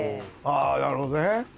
なるほどね。